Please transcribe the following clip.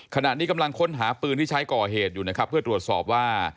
ขณะนี้กำลังค้นหาปืนที่ใช้ก่อเหตุอยู่นะครับเพื่อตรวจสอบว่า